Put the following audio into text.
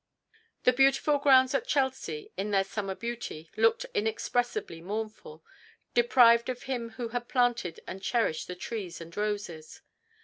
The beautiful grounds at Chelsea, in their summer beauty, looked inexpressibly mournful, deprived of him who had planted and cherished the trees and roses.